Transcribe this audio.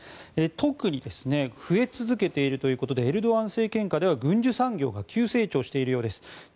特に増え続けているということでエルドアン政権下では軍需産業が急成長しているようです。